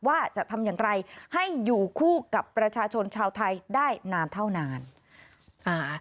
ว่าจะทำอย่างไรให้อยู่คู่กับประชาชนชาวไทยได้นานเท่านานอ่า